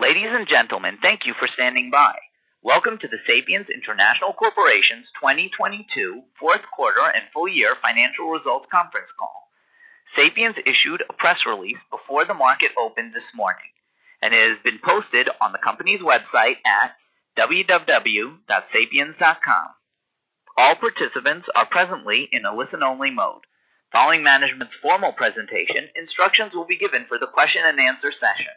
Ladies and gentlemen, thank you for standing by. Welcome to the Sapiens International Corporation's 2022 fourth quarter and full year financial results conference call. Sapiens issued a press release before the market opened this morning, and it has been posted on the company's website at www.sapiens.com. All participants are presently in a listen-only mode. Following management's formal presentation, instructions will be given for the question and answer session.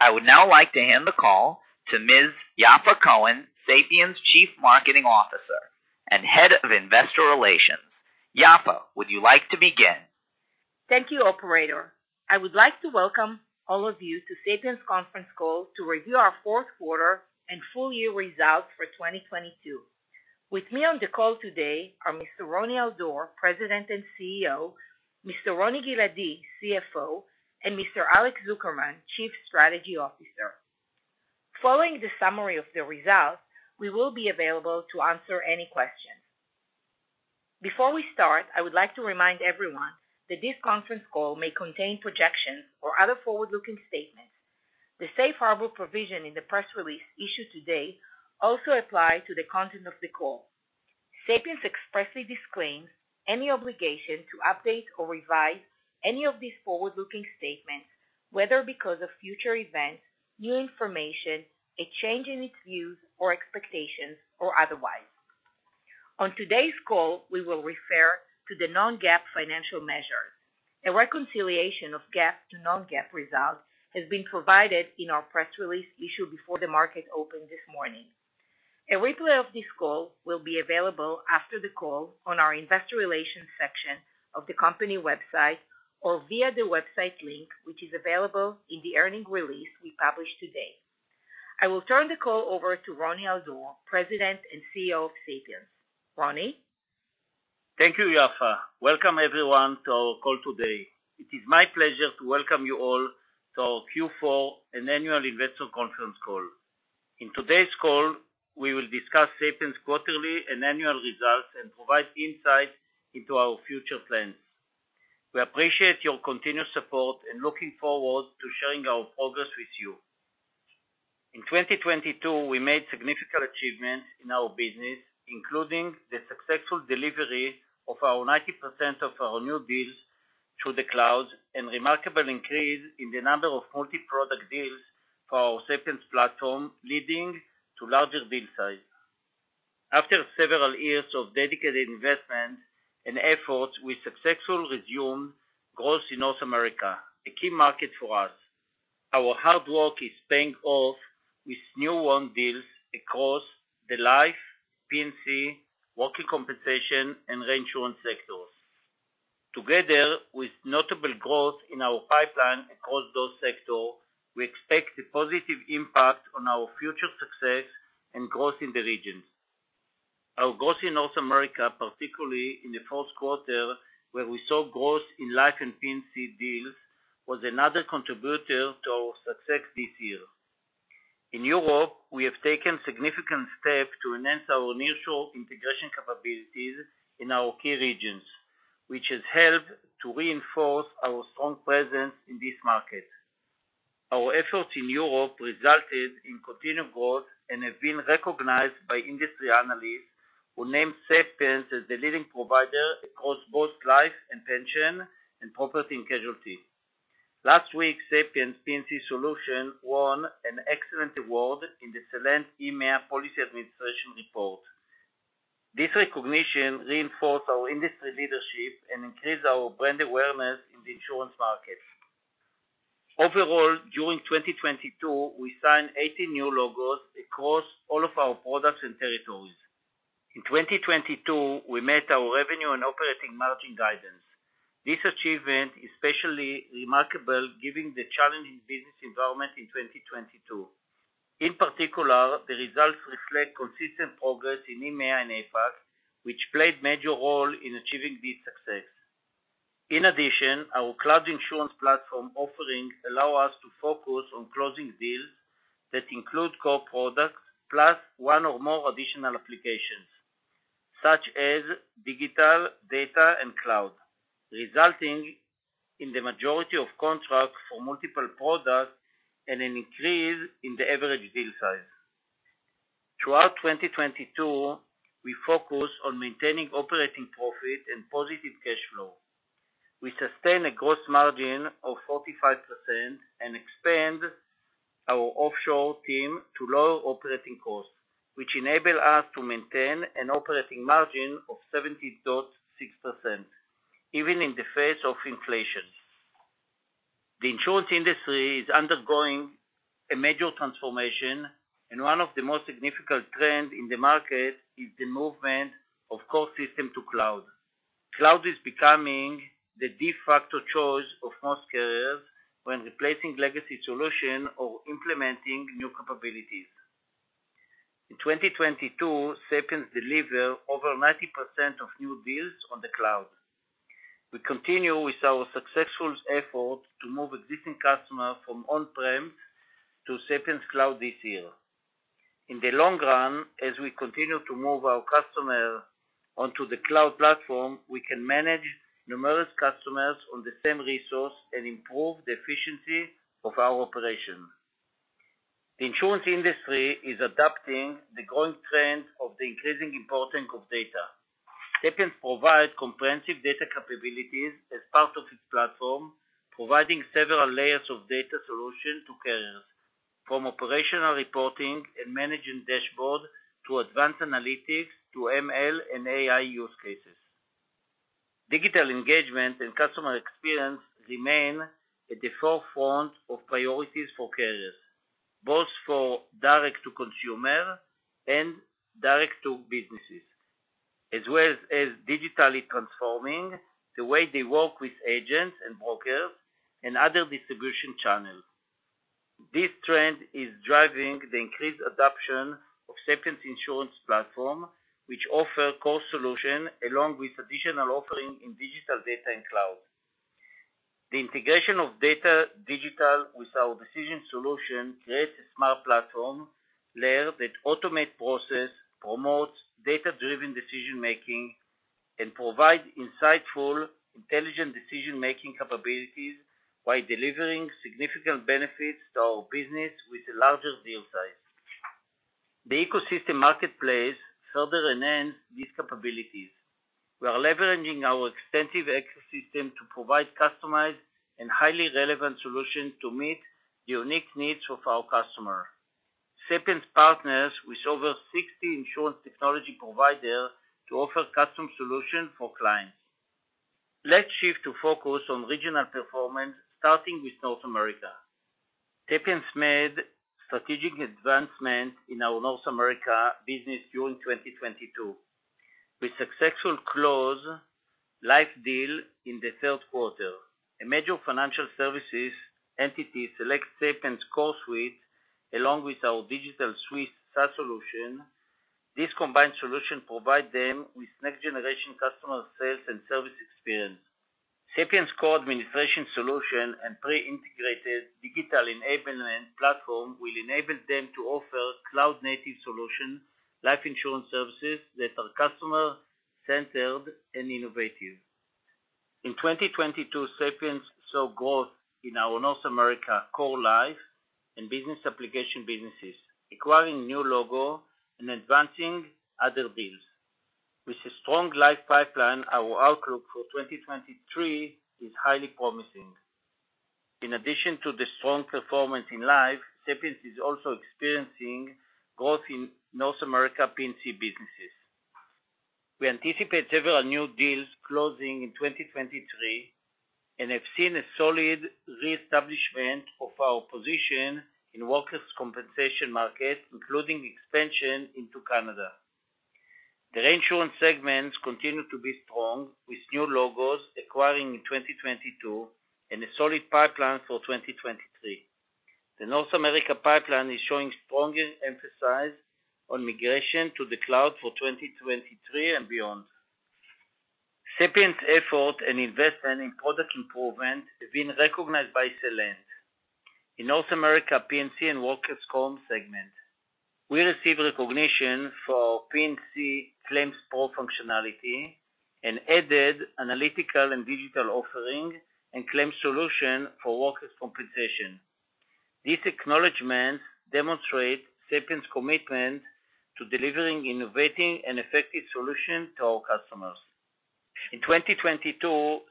I would now like to hand the call to Ms. Yaffa Cohen-Ifrah, Sapiens Chief Marketing Officer and Head of Investor Relations. Yaffa, would you like to begin? Thank you, operator. I would like to welcome all of you to Sapiens conference call to review our fourth quarter and full year results for 2022. With me on the call today are Mr. Roni Al-Dor, President and CEO, Mr. Roni Giladi, CFO, and Mr. Alex Zukerman, Chief Strategy Officer. Following the summary of the results, we will be available to answer any questions. Before we start, I would like to remind everyone that this conference call may contain projections or other forward-looking statements. The safe harbor provision in the press release issued today also apply to the content of the call. Sapiens expressly disclaims any obligation to update or revise any of these forward-looking statements, whether because of future events, new information, a change in its views or expectations or otherwise. On today's call, we will refer to the non-GAAP financial measures. A reconciliation of GAAP to non-GAAP results has been provided in our press release issued before the market opened this morning. A replay of this call will be available after the call on our investor relations section of the company website or via the website link, which is available in the earning release we published today. I will turn the call over to Roni Al-Dor, President and CEO of Sapiens. Roni? Thank you, Yaffa. Welcome everyone to our call today. It is my pleasure to welcome you all to our Q4 and annual investor conference call. In today's call, we will discuss Sapiens quarterly and annual results and provide insight into our future plans. We appreciate your continued support and looking forward to sharing our progress with you. In 2022, we made significant achievements in our business, including the successful delivery of our 90% of our new deals to the cloud and remarkable increase in the number of multi-product deals for our Sapiens platform, leading to larger deal size. After several years of dedicated investment and efforts, we successfully resumed growth in North America, a key market for us. Our hard work is paying off with new won deals across the Life, P&C, workers' compensation, and reinsurance sectors. Together with notable growth in our pipeline across those sectors, we expect a positive impact on our future success and growth in the region. Our growth in North America, particularly in the first quarter, where we saw growth in life and P&C deals, was another contributor to our success this year. In Europe, we have taken significant steps to enhance our initial integration capabilities in our key regions, which has helped to reinforce our strong presence in this market. Our efforts in Europe resulted in continued growth and have been recognized by industry analysts who named Sapiens as the leading provider across both life and pension and Property and Casualty. Last week, Sapiens P&C solution won an excellent award in the Celent EMEA Policy Administration report. This recognition reinforce our industry leadership and increase our brand awareness in the insurance market. Overall, during 2022, we signed 80 new logos across all of our products and territories. In 2022, we met our revenue and operating margin guidance. This achievement is especially remarkable given the challenging business environment in 2022. In particular, the results reflect consistent progress in EMEA and APAC, which played major role in achieving this success. In addition, our cloud insurance platform offering allow us to focus on closing deals that include core products plus one or more additional applications, such as digital, data, and cloud, resulting in the majority of contracts for multiple products and an increase in the average deal size. Throughout 2022, we focus on maintaining operating profit and positive cash flow. We sustain a gross margin of 45% and expand our offshore team to lower operating costs, which enable us to maintain an operating margin of 70.6%, even in the face of inflation. The insurance industry is undergoing a major transformation. One of the most significant trend in the market is the movement of core system to cloud. Cloud is becoming the de facto choice of most carriers when replacing legacy solution or implementing new capabilities. In 2022, Sapiens deliver over 90% of new deals on the cloud. We continue with our successful effort to move existing customers from on-prem to Sapiens Cloud this year. In the long run, as we continue to move our customer onto the cloud platform, we can manage numerous customers on the same resource and improve the efficiency of our operation. The insurance industry is adapting the growing trend of the increasing importance of data. Sapiens provide comprehensive data capabilities as part of its platform, providing several layers of data solution to carriers, from operational reporting and managing dashboard, to advanced analytics, to ML and AI use cases. Digital engagement and customer experience remain at the forefront of priorities for carriers, both for direct to consumer and direct to businesses, as well as digitally transforming the way they work with agents and brokers and other distribution channels. This trend is driving the increased adoption of Sapiens' insurance platform, which offer core solution along with additional offering in digital data and cloud. The integration of data digital with our decision solution creates a smart platform layer that automate process, promotes data-driven decision-making, and provide insightful, intelligent decision-making capabilities, while delivering significant benefits to our business with a larger deal size. The ecosystem marketplace further enhance these capabilities. We are leveraging our extensive ecosystem to provide customized and highly relevant solutions to meet the unique needs of our customer. Sapiens partners with over 60 insurance technology providers to offer custom solutions for clients. Let's shift to focus on regional performance, starting with North America. Sapiens made strategic advancement in our North America business during 2022. We successfully closed Life deal in the third quarter. A major financial services entity select Sapiens' core suite, along with our digital suite SaaS solution. This combined solution provide them with next generation customer sales and service experience. Sapiens' core administration solution and pre-integrated digital enablement platform will enable them to offer cloud-native solution, Life insurance services that are customer-centered and innovative. In 2022, Sapiens saw growth in our North America core Life and business application businesses, acquiring new logo and advancing other deals. With a strong life pipeline, our outlook for 2023 is highly promising. In addition to the strong performance in life, Sapiens is also experiencing growth in North America P&C businesses. We anticipate several new deals closing in 2023, and have seen a solid re-establishment of our position in workers' compensation market, including expansion into Canada. The reinsurance segments continue to be strong with new logos acquiring in 2022, and a solid pipeline for 2023. The North America pipeline is showing stronger emphasis on migration to the cloud for 2023 and beyond. Sapiens' effort and investment in product improvement have been recognized by Celent. In North America P&C and workers comp segment, we received recognition for P&C ClaimsPro functionality and added analytical and digital offering and claim solution for workers' compensation. This acknowledgment demonstrate Sapiens' commitment to delivering innovating and effective solution to our customers. In 2022,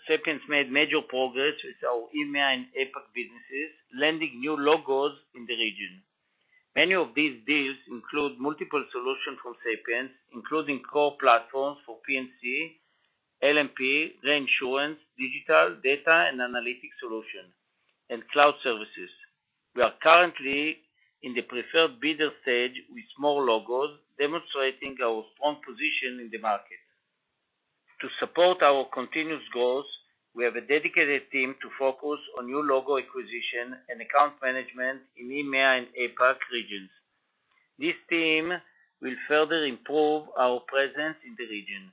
Sapiens made major progress with our EMEA and APAC businesses, landing new logos in the region. Many of these deals include multiple solutions from Sapiens, including core platforms for P&C, L&P, reinsurance, digital data and analytics solution, and cloud services. We are currently in the preferred bidder stage with more logos, demonstrating our strong position in the market. To support our continuous growth, we have a dedicated team to focus on new logo acquisition and account management in EMEA and APAC regions. This team will further improve our presence in the region.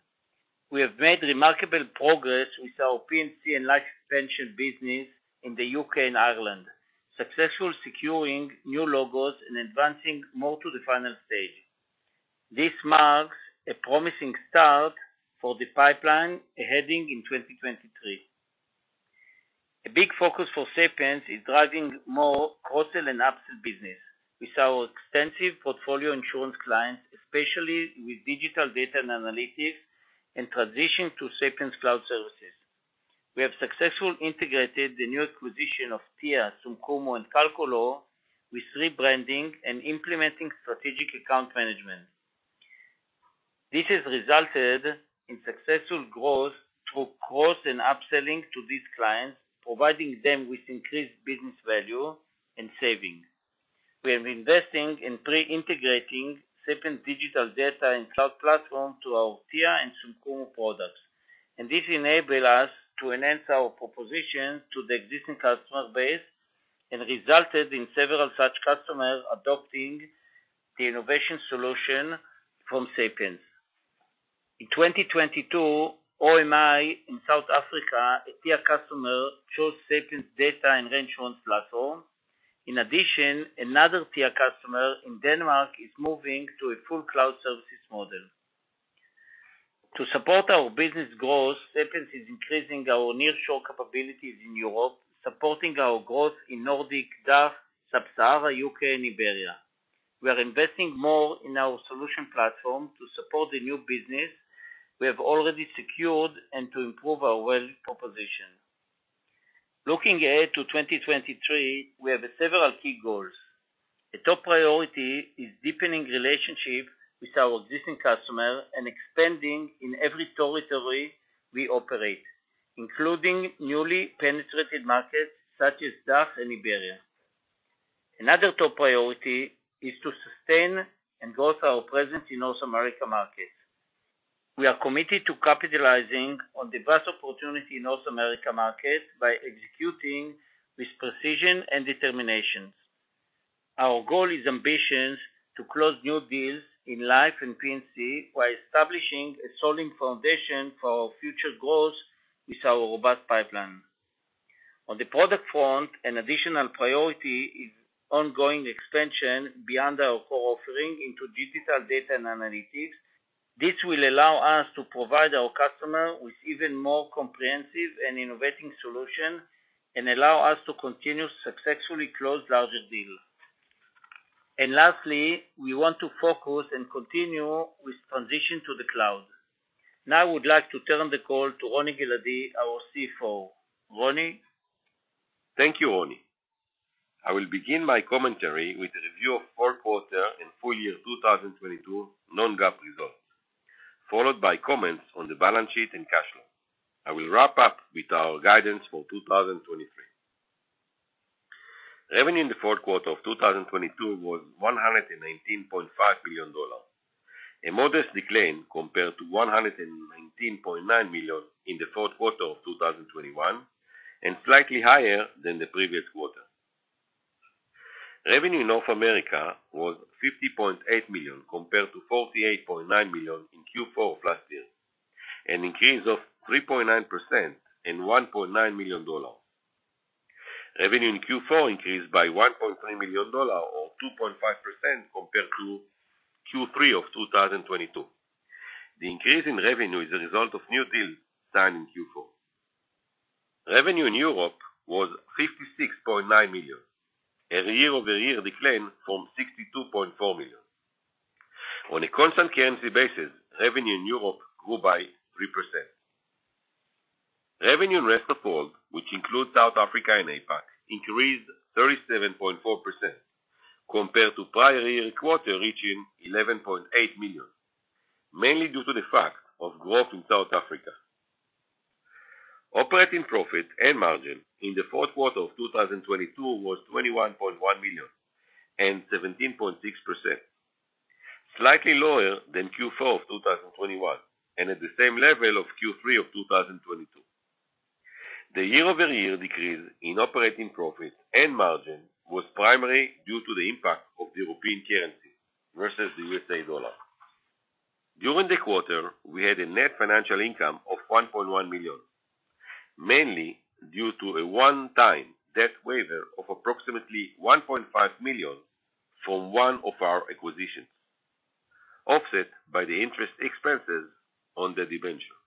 We have made remarkable progress with our P&C and life expansion business in the U.K. and Ireland, successfully securing new logos and advancing more to the final stage. This marks a promising start for the pipeline aheading in 2023. A big focus for Sapiens is driving more cross-sell and upsell business with our extensive portfolio insurance clients, especially with digital data and analytics and transition to Sapiens' cloud services. We have successfully integrated the new acquisition of TIA, sum.cumo, and Calculo with rebranding and implementing strategic account management. This has resulted in successful growth through cross and upselling to these clients, providing them with increased business value and savings. We have been investing in pre-integrating Sapiens digital data and cloud platform to our TIA and sum.cumo products, and this enable us to enhance our proposition to the existing customer base, and resulted in several such customers adopting the innovation solution from Sapiens. In 2022, OMI in South Africa, a tier customer, chose Sapiens' data and insurance platform. In addition, another tier customer in Denmark is moving to a full cloud services model. To support our business growth, Sapiens is increasing our nearshore capabilities in Europe, supporting our growth in Nordic, DACH, Sub-Sahara, U.K., and Iberia. We are investing more in our solution platform to support the new business we have already secured and to improve our wealth proposition. Looking ahead to 2023, we have several key goals. A top priority is deepening relationship with our existing customer and expanding in every territory we operate, including newly penetrated markets such as DACH and Iberia. Another top priority is to sustain and grow our presence in North America markets. We are committed to capitalizing on the best opportunity in North America market by executing with precision and determinations. Our goal is ambitions to close new deals in life and P&C while establishing a solid foundation for our future growth with our robust pipeline. On the product front, an additional priority is ongoing expansion beyond our core offering into digital data and analytics. This will allow us to provide our customer with even more comprehensive and innovating solution, allow us to continue to successfully close larger deals. Lastly, we want to focus and continue with transition to the cloud. Now, I would like to turn the call to Roni Giladi, our CFO. Roni? Thank you, Roni. I will begin my commentary with a review of fourth quarter and full year 2022 non-GAAP results, followed by comments on the balance sheet and cash flow. I will wrap up with our guidance for 2023. Revenue in the fourth quarter of 2022 was $119.5 million. A modest decline compared to $119.9 million in the fourth quarter of 2021, and slightly higher than the previous quarter. Revenue in North America was $50.8 million, compared to $48.9 million in Q4 last year, an increase of 3.9% and $1.9 million. Revenue in Q4 increased by $1.3 million or 2.5% compared to Q3 of 2022. The increase in revenue is a result of new deals signed in Q4. Revenue in Europe was $56.9 million, a year-over-year decline from $62.4 million. On a constant currency basis, revenue in Europe grew by 3%. Revenue in rest of world, which includes South Africa and APAC, increased 37.4% compared to prior year quarter, reaching $11.8 million, mainly due to the fact of growth in South Africa. Operating profit and margin in the fourth quarter of 2022 was $21.1 million and 17.6%, slightly lower than Q4 of 2021, and at the same level of Q3 of 2022. The year-over-year decrease in operating profit and margin was primarily due to the impact of the European currency versus the U.S. dollar. During the quarter, we had a net financial income of $1.1 million, mainly due to a one-time debt waiver of approximately $1.5 million from one of our acquisitions, offset by the interest expenses on the debenture.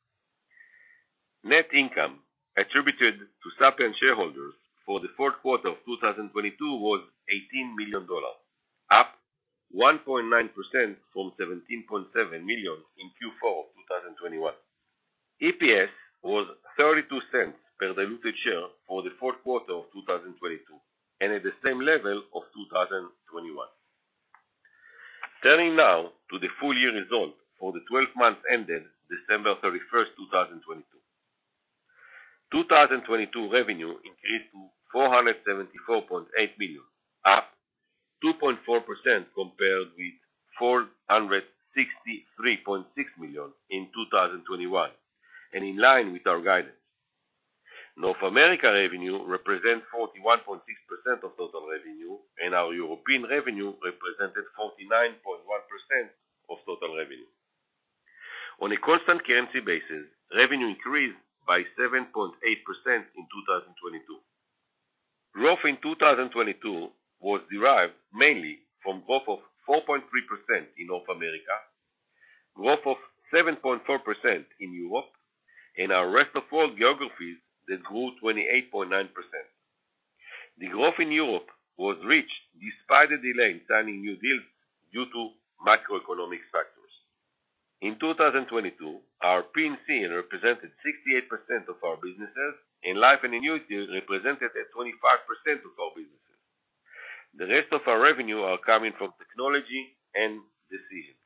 Net income attributed to Sapiens shareholders for the fourth quarter of 2022 was $18 million, up 1.9% from $17.7 million in Q4 of 2021. EPS was $0.32 per diluted share for the fourth quarter of 2022, and at the same level of 2021. Turning now to the full year result for the 12 months ended December 31st, 2022. 2022 revenue increased to $474.8 million, up 2.4% compared with $463.6 million in 2021, and in line with our guidance. North America revenue represents 41.6% of total revenue, and our European revenue represented 49.1% of total revenue. On a constant currency basis, revenue increased by 7.8% in 2022. Growth in 2022 was derived mainly from growth of 4.3% in North America, growth of 7.4% in Europe, and our rest of world geographies that grew 28.9%. The growth in Europe was reached despite a delay in signing new deals due to macroeconomic factors. In 2022, our P&C represented 68% of our businesses, and Life and Annuities represented at 25% of our businesses. The rest of our revenue are coming from technology and decisions.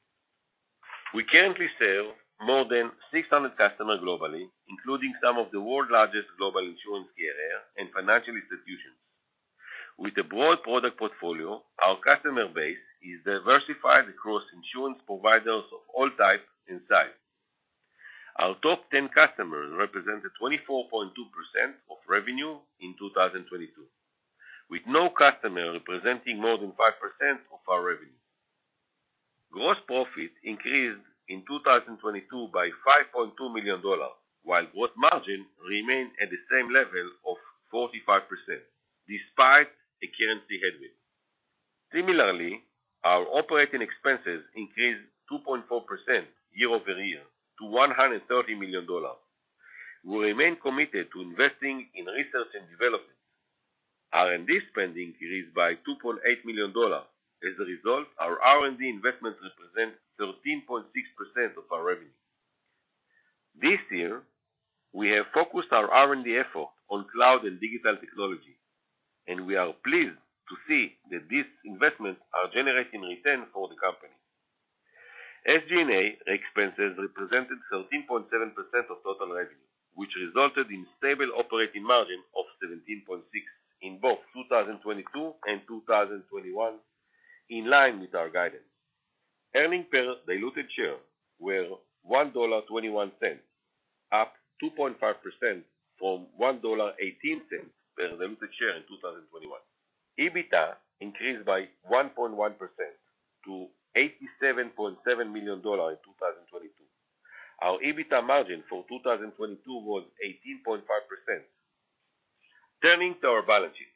We currently serve more than 600 customers globally, including some of the world's largest global insurance carrier and financial institutions. With a broad product portfolio, our customer base is diversified across insurance providers of all types and sizes. Our top 10 customers represented 24.2% of revenue in 2022. With no customer representing more than 5% of our revenue. Gross profit increased in 2022 by $5.2 million, while gross margin remained at the same level of 45% despite a currency headwind. Similarly, our operating expenses increased 2.4% year-over-year to $130 million. We remain committed to investing in research and development. R&D spending increased by $2.8 million. As a result, our R&D investments represent 13.6% of our revenue. This year, we have focused our R&D effort on cloud and digital technology, and we are pleased to see that these investments are generating returns for the company. SG&A expenses represented 13.7% of total revenue, which resulted in stable operating margin of 17.6% in both 2022 and 2021 in line with our guidance. Earning per diluted share were $1.21, up 2.5% from $1.18 per diluted share in 2021. EBITDA increased by 1.1% to $87.7 million in 2022. Our EBITDA margin for 2022 was 18.5%. Turning to our balance sheet.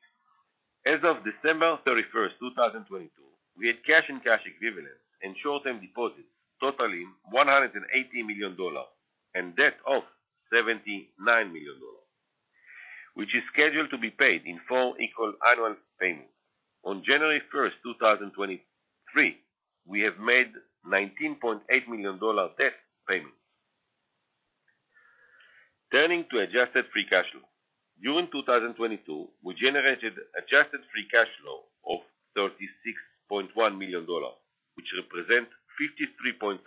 As of December 31st, 2022, we had cash and cash equivalents and short-term deposits totaling $180 million and debt of $79 million, which is scheduled to be paid in four equal annual payments. On January 1st, 2023, we have made $19.8 million debt payment. Turning to adjusted free cash flow. During 2022, we generated adjusted free cash flow of $36.1 million, which represent 53.7%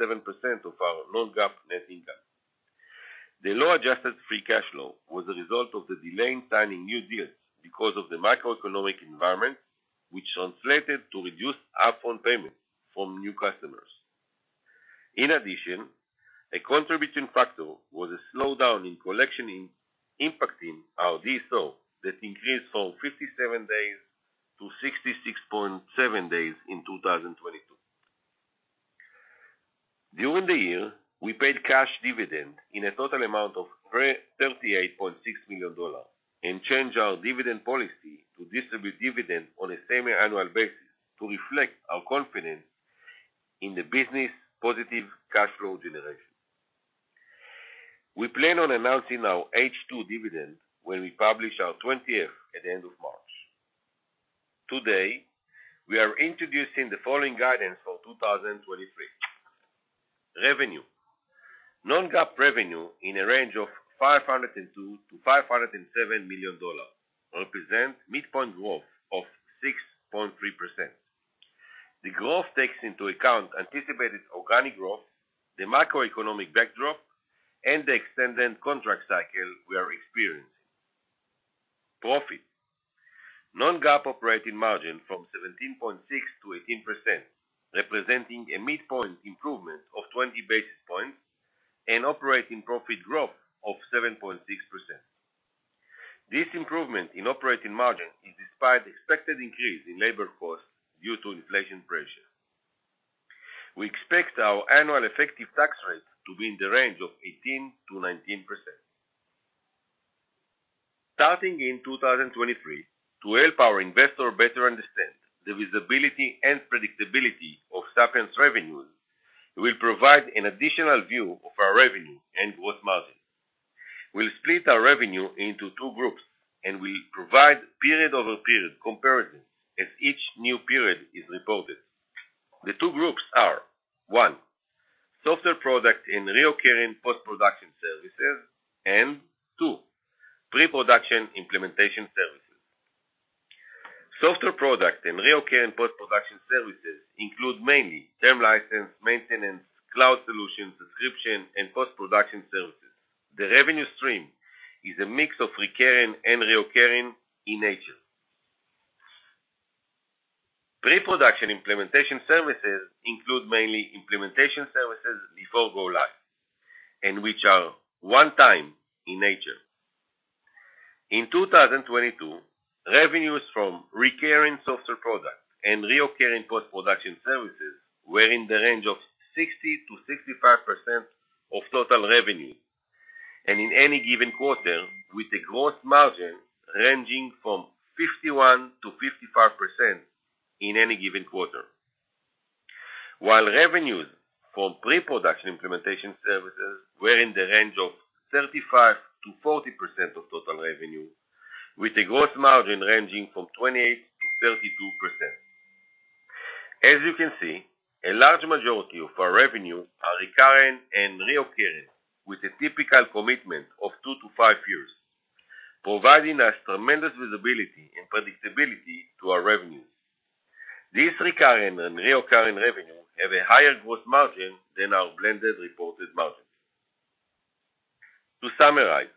of our non-GAAP net income. The low adjusted free cash flow was a result of the delay in signing new deals because of the macroeconomic environment, which translated to reduced upfront payments from new customers. In addition, a contribution factor was a slowdown in collection, impacting our DSO, that increased from 57 days to 66.7 days in 2022. During the year, we paid cash dividend in a total amount of $38.6 million and changed our dividend policy to distribute dividend on a semi-annual basis to reflect our confidence in the business positive cash flow generation. We plan on announcing our H2 dividend when we publish our Form 20-F at the end of March. Today, we are introducing the following guidance for 2023. Revenue. Non-GAAP revenue in a range of $502 million-$507 million represent midpoint growth of 6.3%. The growth takes into account anticipated organic growth, the macroeconomic backdrop, and the extended contract cycle we are experiencing. Profit. Non-GAAP operating margin from 17.6%-18%, representing a midpoint improvement of 20 basis points and operating profit growth of 7.6%. This improvement in operating margin is despite expected increase in labor costs due to inflation pressure. We expect our annual effective tax rate to be in the range of 18%-19%. Starting in 2023, to help our investor better understand the visibility and predictability of Sapiens's revenues, we'll provide an additional view of our revenue and gross margin. We'll split our revenue into two groups, and we'll provide period-over-period comparison as each new period is reported. The two groups are, one, software products and reoccurring post-production services, and two, pre-production implementation services. Software products and reoccurring post-production services include mainly term license, maintenance, cloud solutions, subscription, and post-production services. The revenue stream is a mix of recurring and reoccurring in nature. Pre-production implementation services include mainly implementation services before go live, and which are one time in nature. In 2022, revenues from recurring software products and reoccurring post-production services were in the range of 60%-65% of total revenue, and in any given quarter, with a gross margin ranging from 51%-55% in any given quarter. While revenues for pre-production implementation services were in the range of 35%-40% of total revenue, with a gross margin ranging from 28%-32%. As you can see, a large majority of our revenues are recurring and reoccurring with a typical commitment of 2-5 years, providing us tremendous visibility and predictability to our revenues. These recurring and reoccurring revenue have a higher gross margin than our blended reported margins. To summarize,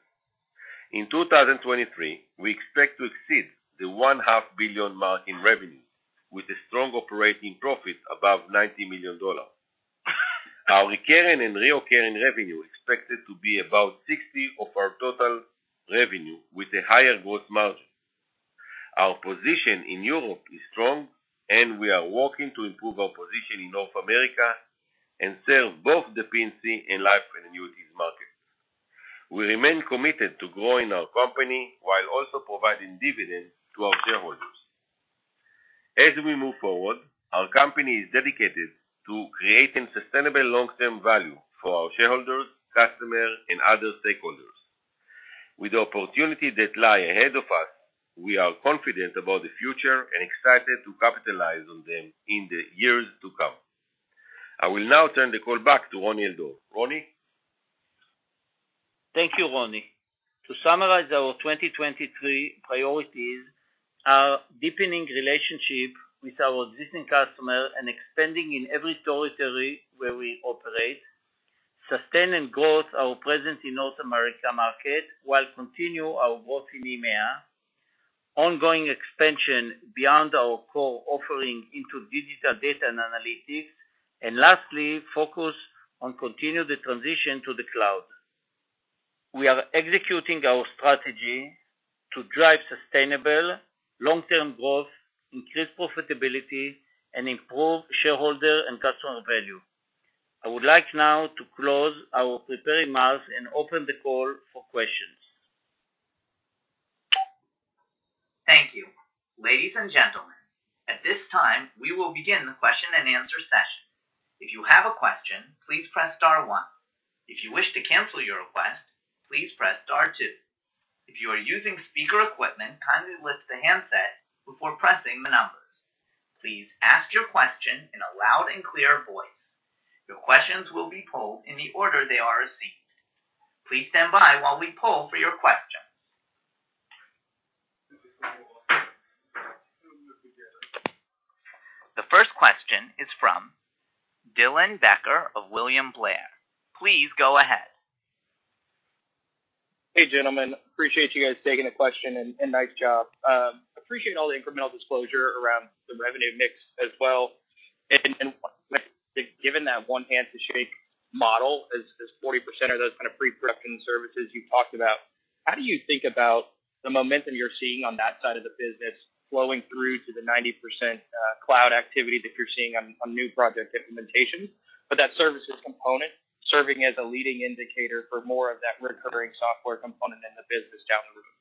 in 2023, we expect to exceed the one-half billion mark in revenue with a strong operating profit above $90 million. Our recurring and reoccurring revenue expected to be about 60 of our total revenue with a higher gross margin. Our position in Europe is strong, and we are working to improve our position in North America, and serve both the P&C and Life Annuities market. We remain committed to growing our company while also providing dividends to our shareholders. As we move forward, our company is dedicated to creating sustainable long-term value for our shareholders, customers, and other stakeholders. With the opportunity that lie ahead of us, we are confident about the future and excited to capitalize on them in the years to come. I will now turn the call back to Roni Al-Dor. Roni? Thank you, Roni. To summarize our 2023 priorities, our deepening relationship with our existing customer and expanding in every territory where we operate, sustain and growth our presence in North America market, while continue our work in EMEA, ongoing expansion beyond our core offering into digital data and analytics, lastly, focus on continue the transition to the cloud. We are executing our strategy to drive sustainable long-term growth, increase profitability, and improve shareholder and customer value. I would like now to close our prepared remarks and open the call for questions. Thank you. Ladies and gentlemen, at this time, we will begin the question and answer session. If you have a question, please press star one. If you wish to cancel your request, please press star two. If you are using speaker equipment, kindly lift the handset before pressing the numbers. Please ask your question in a loud and clear voice. Your questions will be pulled in the order they are received. Please stand by while we pull for your questions. The first question is from Dylan Becker of William Blair. Please go ahead. Hey, gentlemen. Appreciate you guys taking the question and nice job. Appreciate all the incremental disclosure around the revenue mix as well. Given that one hand to shape model is 40% of those kind of pre-production services you talked about, how do you think about the momentum you're seeing on that side of the business flowing through to the 90% cloud activity that you're seeing on new project implementation, but that services component serving as a leading indicator for more of that recurring software component in the business down the road?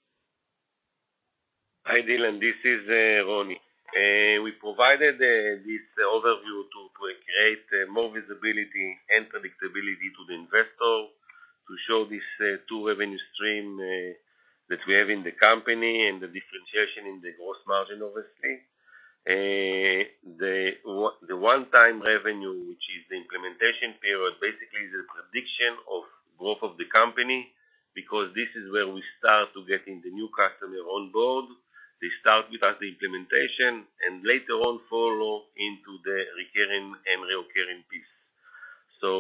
Hi, Dylan. This is Roni. We provided this overview to create more visibility and predictability to the investor to show this two revenue stream that we have in the company and the differentiation in the gross margin, obviously. The one-time revenue, which is the implementation period, basically is a prediction of growth of the company because this is where we start to getting the new customer on board. They start with us the implementation, and later on follow into the recurring and reoccurring piece.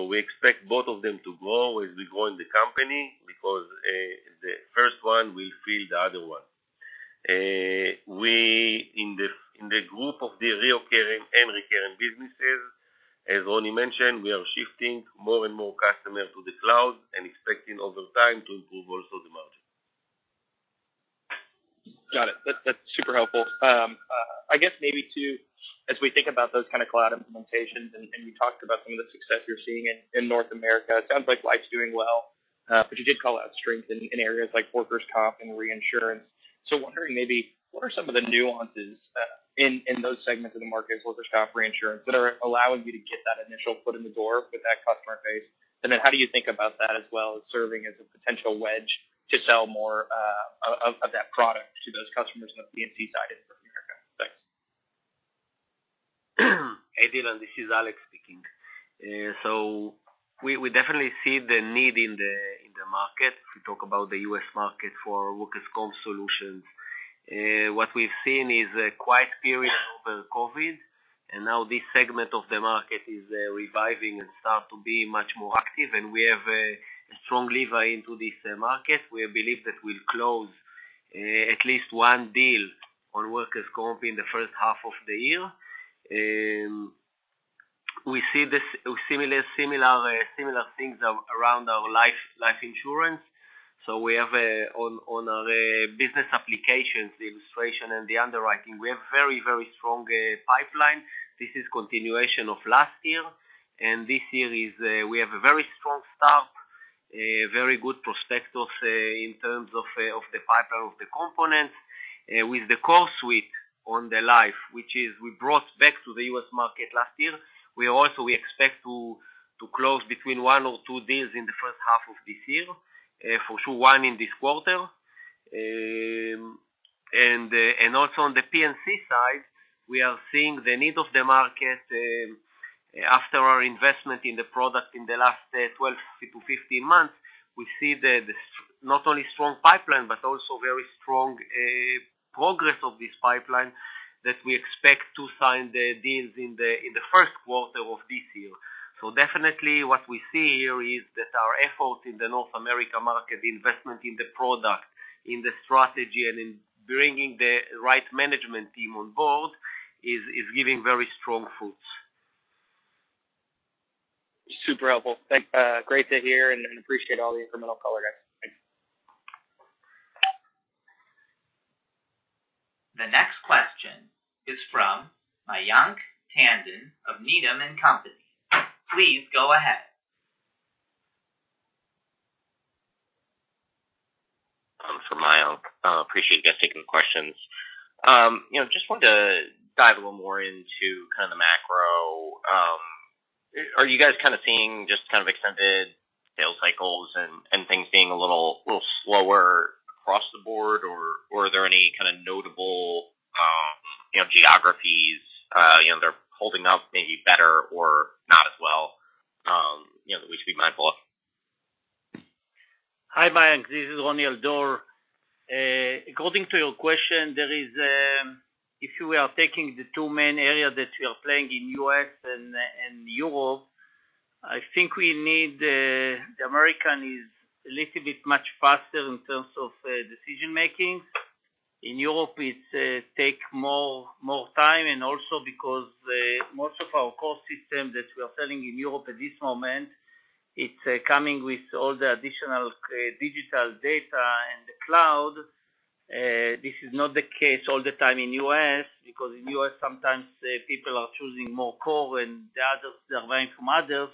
We expect both of them to grow as we grow in the company because the first one will feed the other one. In the group of the reoccurring and recurring businesses, as Roni mentioned, we are shifting more and more customers to the cloud and expecting over time to improve also the margin. Got it. That's super helpful. I guess maybe too, as we think about those kind of cloud implementations, and you talked about some of the success you're seeing in North America. It sounds like life's doing well, but you did call out strength in areas like workers' comp and reinsurance. Wondering maybe what are some of the nuances in those segments of the market, workers' comp, reinsurance, that are allowing you to get that initial foot in the door with that customer base? How do you think about that as well as serving as a potential wedge to sell more of that product to those customers on the P&C side in North America? Thanks. Hey, Dylan, this is Alex speaking. We definitely see the need in the market to talk about the U.S. market for workers' comp solutions. What we've seen is a quiet period over COVID, now this segment of the market is reviving and start to be much more active. We have a strong lever into this market. We believe that we'll close at least 1 deal on workers' comp in the first half of the year. We see this similar things around our life insurance. On our business applications, the illustration and the underwriting, we have very strong pipeline. This is continuation of last year. This year, we have a very strong start, very good prospectus in terms of the pipeline of the components. With the core suite on the life, which we brought back to the U.S. market last year. We also expect to close between one or two deals in the first half of this year, for sure one in this quarter. Also on the P&C side, we are seeing the need of the market. After our investment in the product in the last 12-15 months, we see the not only strong pipeline, but also very strong progress of this pipeline that we expect to sign the deals in the first quarter of this year. Definitely what we see here is that our effort in the North America market, the investment in the product, in the strategy, and in bringing the right management team on board Is giving very strong fruits. Super helpful. Great to hear and appreciate all the incremental color guys. Thanks. The next question is from Mayank Tandon of Needham & Company. Please go ahead. Mayank, appreciate you guys taking questions. You know, just wanted to dive a little more into kind of the macro. Are you guys kinda seeing just kind of extended sales cycles and things being a little slower across the board? Or, or are there any kind of notable, you know, geographies, you know, that are holding up maybe better or not as well, you know, that we should be mindful of? Hi, Mayank. This is Roni Al-Dor. According to your question, there is, if you are taking the two main areas that we are playing in U.S. and Europe, I think we need. The American is a little bit much faster in terms of decision making. In Europe it take more time and also because most of our core system that we are selling in Europe at this moment, it's coming with all the additional digital data and the cloud. This is not the case all the time in U.S., because in U.S. sometimes people are choosing more core and the others, they're buying from others,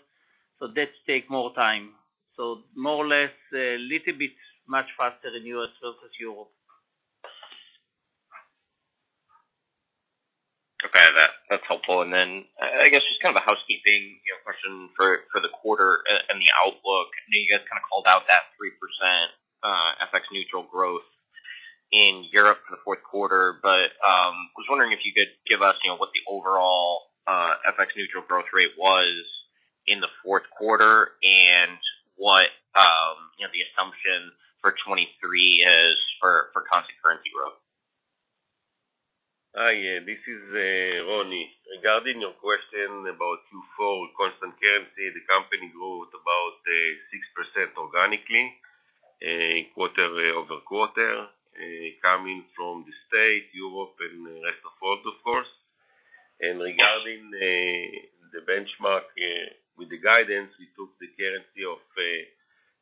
so that take more time. More or less, a little bit much faster in U.S. versus Europe. Okay. That's helpful. I guess just kind of a housekeeping, you know, question for the quarter and the outlook. I know you guys kind of called out that 3% FX neutral growth in Europe for the fourth quarter. Was wondering if you could give us, you know, what the overall FX neutral growth rate was in the fourth quarter and what, you know, the assumption for 2023 is for constant currency growth. Hi, this is Roni. Regarding your question about Q4 constant currency, the company grew about 6% organically quarter-over-quarter coming from the States, Europe and the rest of world, of course. Regarding the benchmark with the guidance, we took the currency of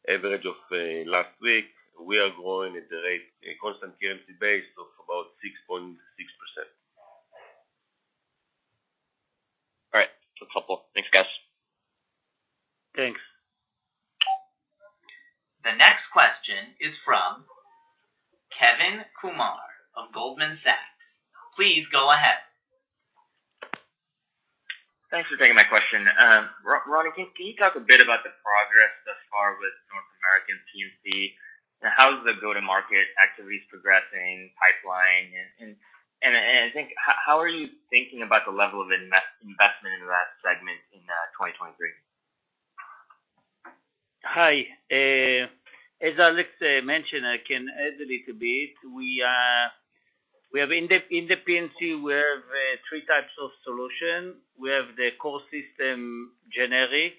average of last week. We are growing at a rate, a constant currency base of about 6.6%. All right. That's helpful. Thanks, guys. Thanks. The next question is from Kevin Kumar of Goldman Sachs. Please go ahead. Thanks for taking my question. Roni, can you talk a bit about the progress thus far with North American P&C, and how is the go-to-market activities progressing, pipeline? I think, how are you thinking about the level of investment into that segment in 2023? Hi. As Alex mentioned, I can add a little bit. We have in the, in the P&C, we have, three types of solution. We have the core system generic,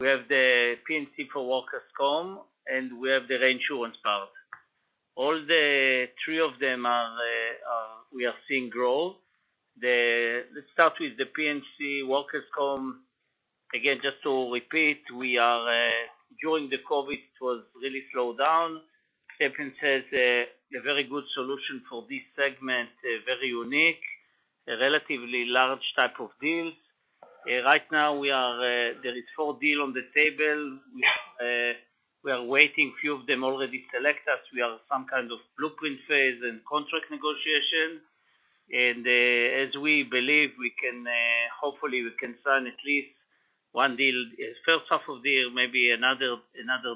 we have the P&C for workers' comp, and we have the reinsurance part. All the three of them are, we are seeing growth. Let's start with the P&C workers' comp. Again, just to repeat, we are, during the COVID, it was really slowed down. Kevin says, a very good solution for this segment, very unique, a relatively large type of deal. Right now we are, there is four deal on the table. We are waiting, few of them already select us. We are some kind of blueprint phase and contract negotiation. As we believe we can, hopefully we can sign at least one deal. First half of deal, maybe another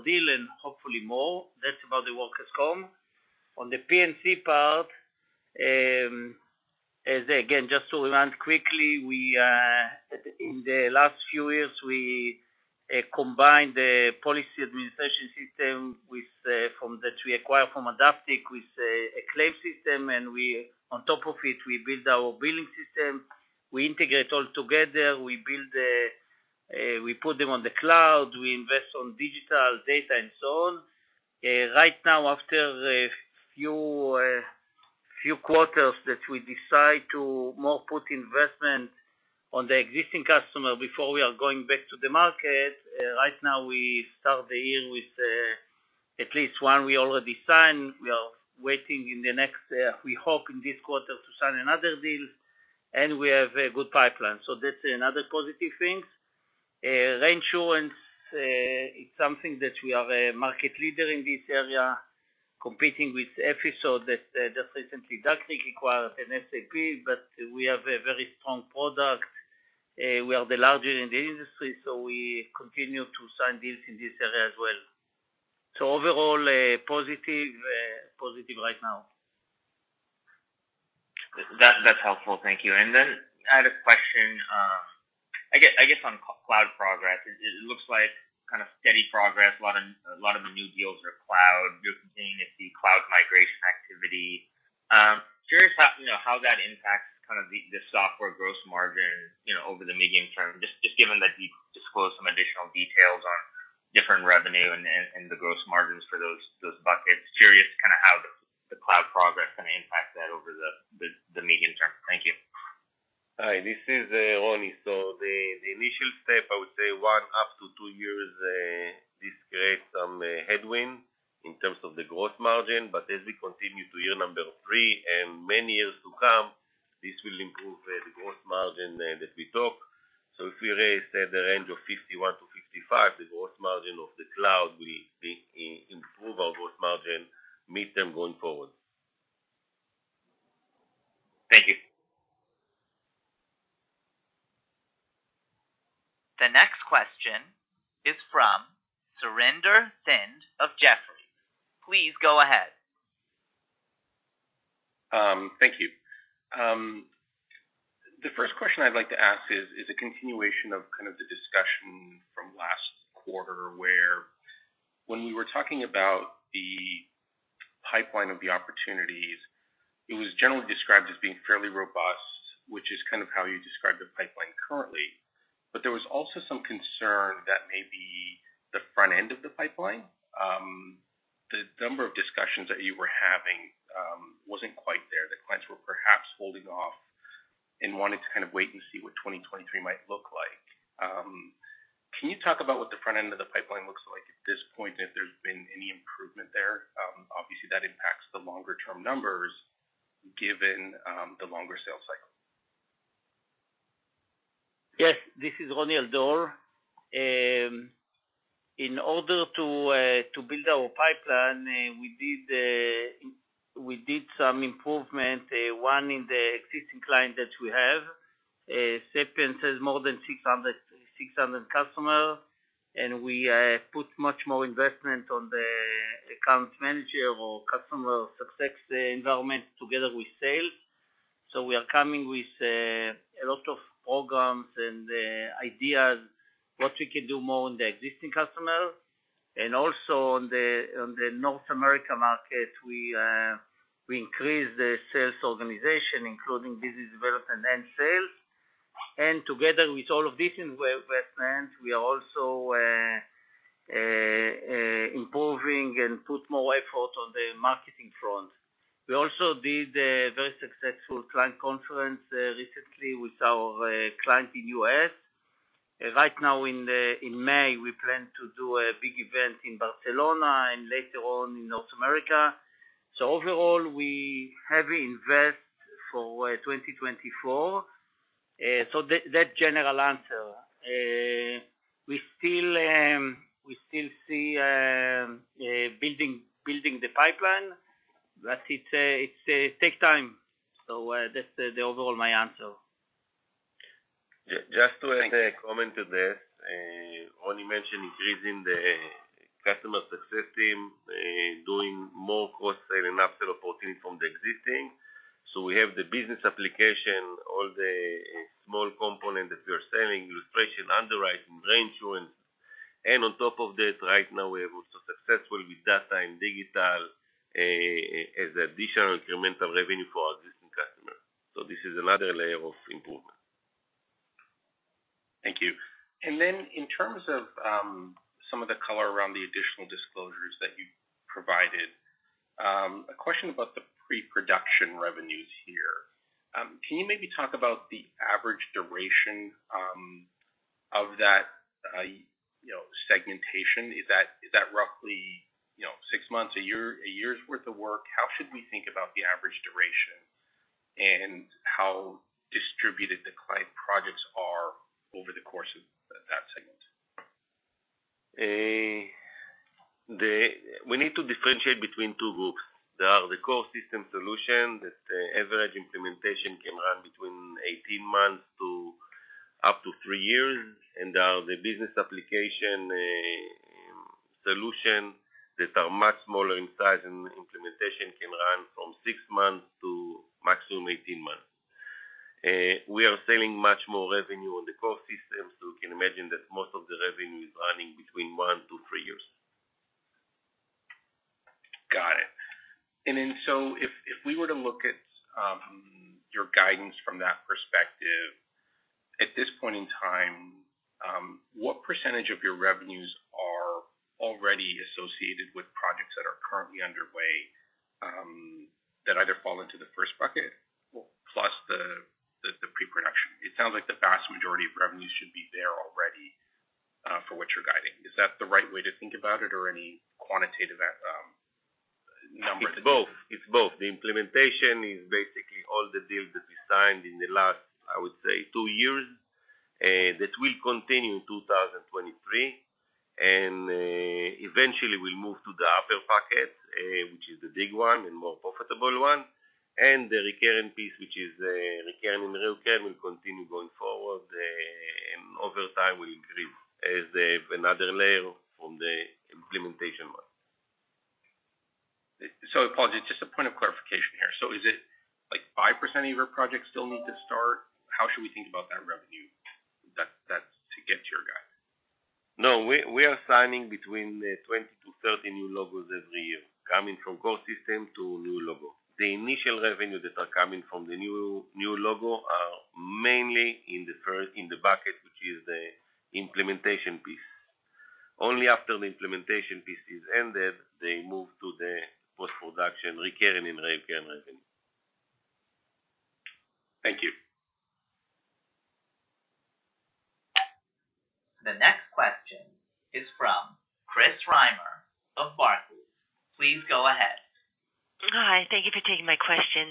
deal and hopefully more. That's about the workers' comp. On the P&C part, as again, just to remind quickly, we in the last few years, we combined the policy administration system with from that we acquired from Adaptik with a claim system, and on top of it, we build our billing system. We integrate all together. We build, we put them on the cloud. We invest on digital data and so on. Right now, after a few few quarters that we decide to more put investment on the existing customer before we are going back to the market, right now we start the year with at least one we already signed. We are waiting in the next, we hope in this quarter to sign another deal. We have a good pipeline. That's another positive things. Reinsurance is something that we are a market leader in this area, competing with Epicor that just recently Duck Creek acquired an SAP. We have a very strong product. We are the larger in the industry. We continue to sign deals in this area as well. Overall, positive right now. That's helpful. Thank you. I had a question, I guess on cloud progress. It looks like kind of steady progress. A lot of the new deals are cloud. You're continuing to see cloud migration activity. Curious how, you know, how that impacts kind of the software gross margin, you know, over the medium term, how the cloud progress gonna impact that over the medium term? Thank you. All right. This is Roni. The initial step, I would say one up to three years, this creates some headwind in terms of the growth margin. As we continue to year three and many years to come, this will improve the growth margin that we talk. If we raise the range of 51%-55%, the growth margin of the cloud will be improve our growth margin midterm going forward. Thank you. The next question is from Surinder Thind of Jefferies. Please go ahead. Thank you. The first question I'd like to ask is a continuation of kind of the discussion from last quarter, where when we were talking about the pipeline of the opportunities, it was generally described as being fairly robust, which is kind of how you describe the pipeline currently. There was also some concern that maybe the front end of the pipeline, the number of discussions that you were having, wasn't quite there. The clients were perhaps holding off and wanting to kind of wait and see what 2023 might look like. Can you talk about what the front end of the pipeline looks like at this point, if there's been any improvement there? Obviously, that impacts the longer term numbers given, the longer sales cycle. Yes, this is Roni Al-Dor. In order to build our pipeline, we did some improvement, one in the existing client that we have. Sapiens has more than 600 customer, and we put much more investment on the account manager or customer success environment together with sales. We are coming with a lot of programs and ideas what we can do more on the existing customer. Also on the North America market, we increase the sales organization, including business development and sales. Together with all of this investment, we are also improving and put more effort on the marketing front. We also did a very successful client conference recently with our client in U.S. Right now in May, we plan to do a big event in Barcelona and later on in North America. Overall, we heavily invest for 2024. That general answer. We still see building the pipeline, but it's a take time. That's the overall my answer. Just to comment to this. Roni mentioned increasing the customer success team, doing more cross-sale and upsell opportunity from the existing. We have the business application, all the small component that we are selling, illustration, underwriting, reinsurance. On top of that, right now we're also successful with data and digital, as additional incremental revenue for our existing customer. This is another layer of improvement. Thank you. Then in terms of some of the color around the additional disclosures that you provided, a question about the pre-production revenues here. Can you maybe talk about the average duration of that, you know, segmentation? Is that roughly, you know, six months, a year, a year's worth of work? How should we think about the average duration? How distributed the client projects are over the course of that segment? We need to differentiate between two groups. There are the core system solution that average implementation can run between 18 months to up to three years. The business application solution that are much smaller in size and implementation can run from six months to maximum 18 months. We are selling much more revenue on the core systems. You can imagine that most of the revenue is running between 1-3 years. Got it. If we were to look at your guidance from that perspective, at this point in time, what % of your revenues are already associated with projects that are currently underway, that either fall into the first bucket plus the pre-production? It sounds like the vast majority of revenues should be there already, for what you're guiding. Is that the right way to think about it or any quantitative numbers? It's both. It's both. The implementation is basically all the deals that we signed in the last, I would say two years. That will continue in 2023. Eventually we'll move to the upper bucket, which is the big one and more profitable one. The recurring piece, which is recurring and reoccurring, will continue going forward. Over time we'll increase as another layer from the implementation model. Apology, just a point of clarification here. Is it like 5% of your projects still need to start? How should we think about that revenue that's to get to your guide? No. We are signing between 20-30 new logos every year, coming from core systems. The initial revenue that are coming from the new logo are mainly in the first, in the bucket, which is the implementation piece. Only after the implementation piece is ended, they move to the post-production recurring and revenue. Thank you. The next question is from Chris Reimer of Barclays. Please go ahead. Hi. Thank you for taking my question.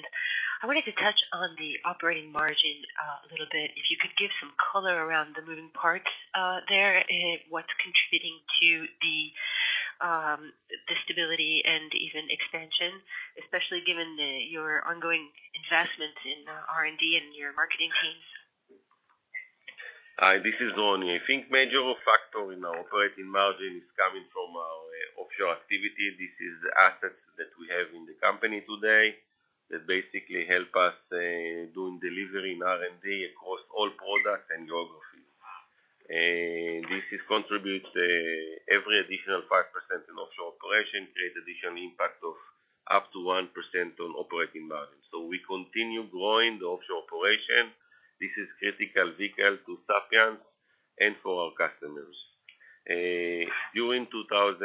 I wanted to touch on the operating margin a little bit. If you could give some color around the moving parts there and what's contributing to the stability and even expansion, especially given your ongoing investment in R&D and your marketing teams. Hi, this is Roni Al-Dor. I think major factor in our operating margin is coming from offshore activity. This is assets that we have in the company today that basically help us doing delivery in R&D across all products and geographies. This is contributes, every additional 5% in offshore operation, create additional impact of up to 1% on operating margin. We continue growing the offshore operation. This is critical vehicle to Sapiens and for our customers. During 2023,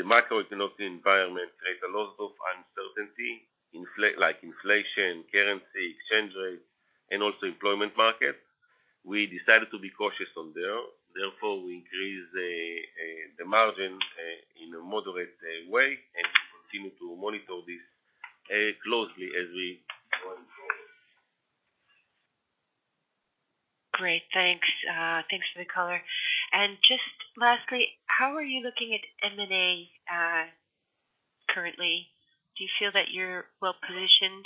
the macroeconomic environment create a lot of uncertainty, inflation, currency, exchange rate, and also employment market. We decided to be cautious on there. We increase the margin in a moderate way, and we continue to monitor this closely as we go forward. Great. Thanks. Thanks for the color. Just lastly, how are you looking at M&A currently? Do you feel that you're well-positioned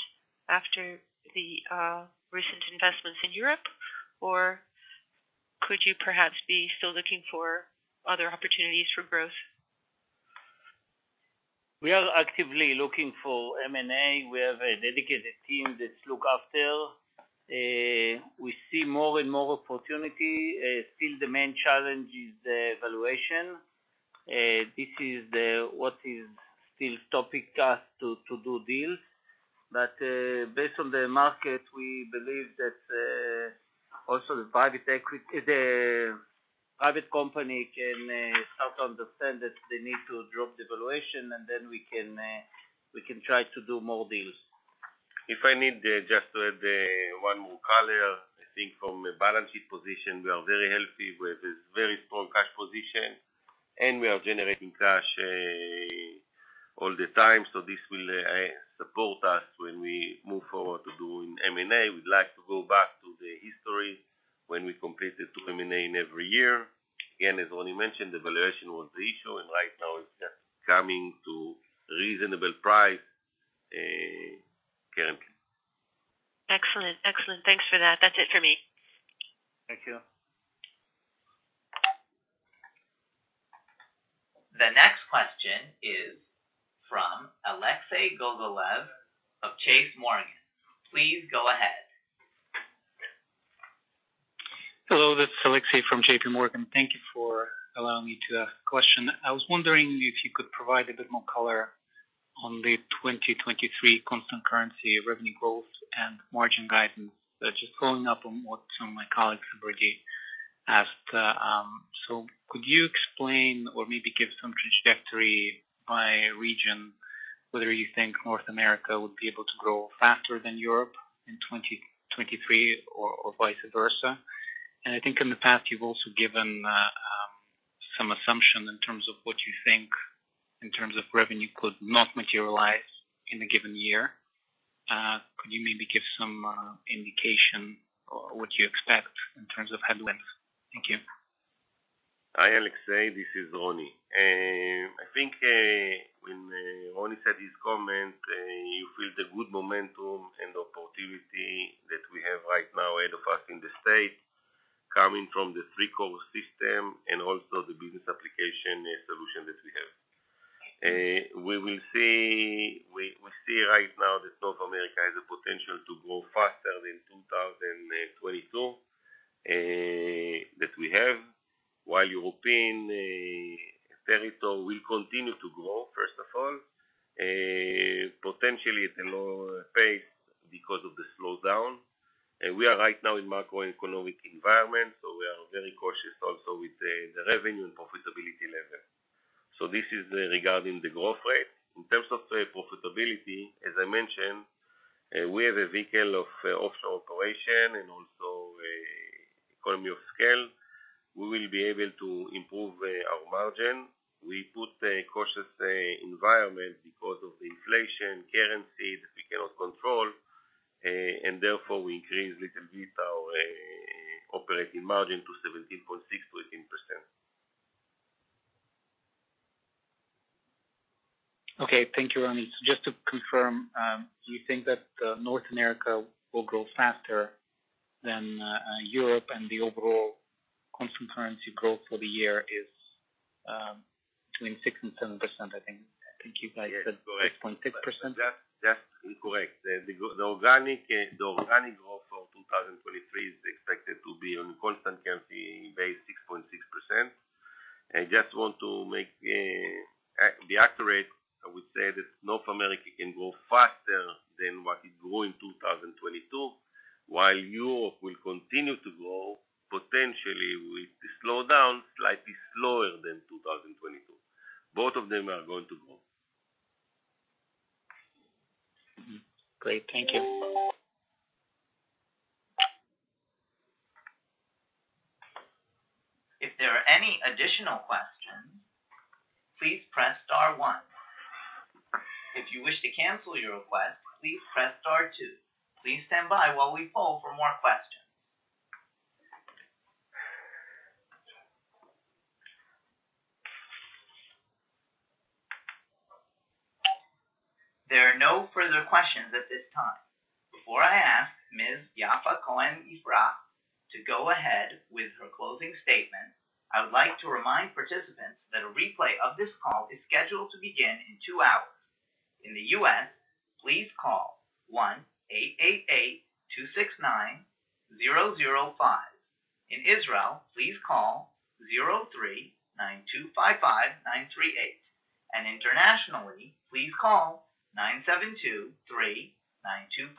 after the recent investments in Europe? Could you perhaps be still looking for other opportunities for growth? We are actively looking for M&A. We have a dedicated team that look after. We see more and more opportunity. Still the main challenge is the valuation. This is the what is still topic task to do deals. Based on the market, we believe that also The private company can start to understand that they need to drop the valuation, and then we can try to do more deals. If I need just to add one more color. I think from a balance sheet position, we are very healthy with this very strong cash position, and we are generating cash all the time. This will support us when we move forward to doing M&A. We'd like to go back to the history when we completed two M&A in every year. Again, as Roni mentioned, the valuation was the issue, and right now it's just coming to reasonable price currently. Excellent. Thanks for that. That's it for me. Thank you. The next question is from Alexei Gogolev of JPMorgan. Please go ahead. Hello, this is Alexei from JPMorgan. Thank you for allowing me to ask a question. I was wondering if you could provide a bit more color on the 2023 constant currency revenue growth and margin guidance. Following up on what some of my colleagues have already asked. Could you explain or maybe give some trajectory by region, whether you think North America would be able to grow faster than Europe in 2023 or vice versa? I think in the past, you've also given some assumption in terms of what you think in terms of revenue could not materialize in a given year. Could you maybe give some indication what you expect in terms of headwinds? Thank you. Hi, Alexei, this is Roni. I think, when Roni said his comment, you feel the good momentum and opportunity that we have right now at first in the state, coming from the three-core system and also the business application solution that we have. We see right now that North America has a potential to grow faster than 2022 that we have, while European territory will continue to grow, first of all, potentially at a lower pace because of the slowdown. We are right now in macroeconomic environment, we are very cautious also with the revenue and profitability level. This is regarding the growth rate. In terms of the profitability, as I mentioned, we have a vehicle of offshore operation and also economy of scale. We will be able to improve our margin. We put a cautious environment because of the inflation, currency that we cannot control, and therefore we increase little bit our operating margin to 17.6%-18%. Okay. Thank you, Roni. Just to confirm, you think that North America will grow faster than Europe and the overall constant currency growth for the year is between 6% and 7%, I think. I think you guys said? Yes, correct. 6.6%. That is correct. The organic growth for 2023 is expected to be on. I just want to make be accurate. I would say that North America can grow faster than what it grew in 2022, while Europe will continue to grow potentially with the slowdown slightly slower than 2022. Both of them are going to grow. Mm-hmm. Great. Thank you. If there are any additional questions, please press star one. If you wish to cancel your request, please press star two. Please stand by while we poll for more questions. There are no further questions at this time. Before I ask Ms. Yaffa Cohen-Ifrah to go ahead with her closing statement, I would like to remind participants that a replay of this call is scheduled to begin in two hours. In the U.S., please call 1-888-269-0005. In Israel, please call 03-925-5938, and internationally, please call 972-392-55938.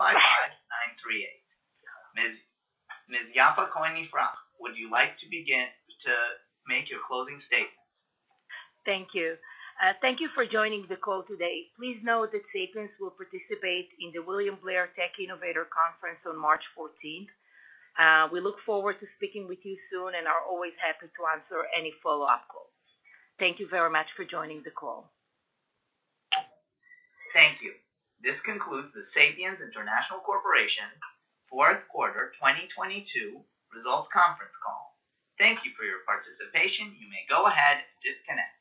Ms. Yaffa Cohen-Ifrah, would you like to begin to make your closing statements? Thank you. Thank you for joining the call today. Please note that Sapiens will participate in the William Blair Tech Innovators Conference on March 14th. We look forward to speaking with you soon and are always happy to answer any follow-up calls. Thank you very much for joining the call. Thank you. This concludes the Sapiens International Corporation fourth quarter 2022 results conference call. Thank you for your participation. You may go ahead and disconnect.